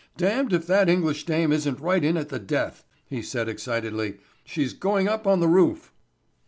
"Damned if that English dame isn't right in at the death," he said excitedly. "She's going up on the roof."